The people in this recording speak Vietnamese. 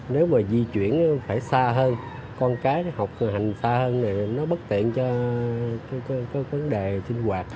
nếu mà di chuyển phải xa hơn con cái học cửa hàng xa hơn thì nó bất tiện cho vấn đề sinh hoạt